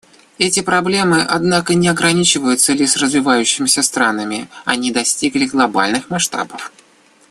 Эти проблемы, однако, не ограничиваются лишь развивающимися странами; они достигли глобальных масштабов.